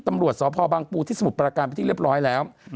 ตำรวจสพบังปูที่สมุทรประการไปที่เรียบร้อยแล้ว